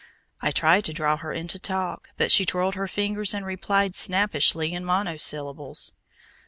I tried to draw her into talk, but she twirled her fingers and replied snappishly in monosyllables.